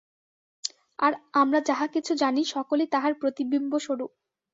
আর আমরা যাহা কিছু জানি, সকলই তাঁহার প্রতিবিম্ব-স্বরূপ।